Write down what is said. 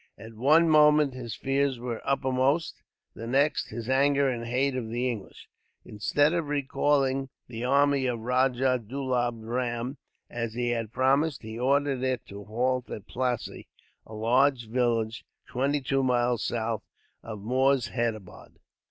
At one moment his fears were uppermost; the next, his anger and hate of the English. Instead of recalling the army of Rajah Dulab Ram, as he had promised, he ordered it to halt at Plassey, a large village twenty two miles south of Moorshedabad.